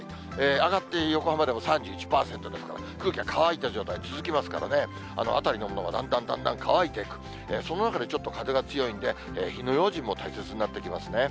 上がっている横浜でも３１％ですから、空気が乾いた状態が続きますからね、辺りのものがだんだんだんだん乾いていく、そんな中で、ちょっと風が強いんで、火の用心も大切になってきますね。